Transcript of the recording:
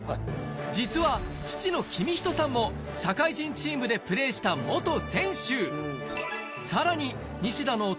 実は父の公人さんも社会人チームでプレーしたさらに西田の弟